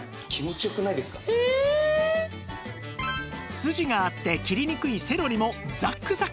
筋があって切りにくいセロリもザクザク切れます